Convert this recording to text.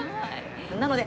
なので。